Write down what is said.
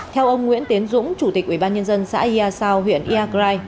theo ông nguyễn tiến dũng chủ tịch ubnd xã yasao huyện yagrai